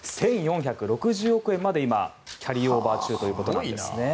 １４６０億円まで今、キャリーオーバー中ということなんですね。